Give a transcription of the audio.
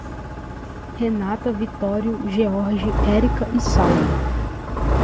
Renata, Vitório, George, Érica e Saulo